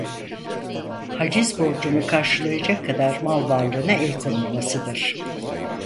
Haciz borcunu karşılayacak kadar mal varlığına el konulmasıdır.